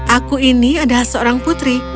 aku ini adalah seorang putri